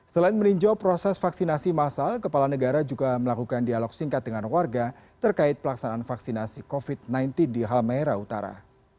selain meninjau proses vaksinasi masal kepala negara juga melakukan dialog singkat dengan warga terkait pelaksanaan vaksinasi covid sembilan belas di halmahera utara